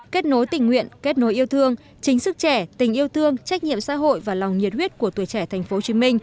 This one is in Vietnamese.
kết nối tình nguyện kết nối yêu thương chính sức trẻ tình yêu thương trách nhiệm xã hội và lòng nhiệt huyết của tuổi trẻ tp hcm